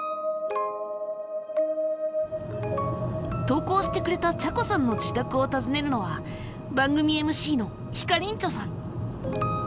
投稿してくれたちゃこさんの自宅をたずねるのは番組ＭＣのひかりんちょさん。